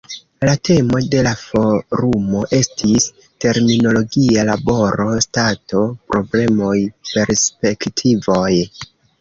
La temo de la forumo estis "Terminologia laboro: Stato, problemoj, perspektivoj".